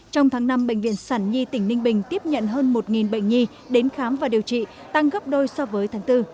trong tháng năm bệnh viện sản nhi tỉnh ninh bình tiếp nhận hơn một bệnh nhi đến khám và điều trị tăng gấp đôi so với tháng bốn